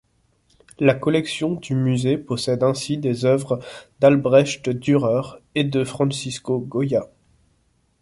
La collection du Musée possède ainsi des œuvres d'Albrecht Dürer et de Francisco Goya.